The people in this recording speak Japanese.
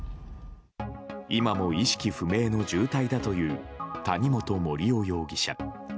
今も意識不明の重体だという谷本盛雄容疑者。